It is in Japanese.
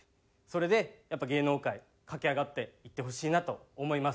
それでやっぱ芸能界駆け上がっていってほしいなと思います。